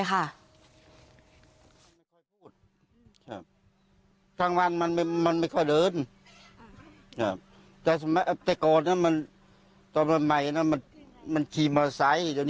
คนไกล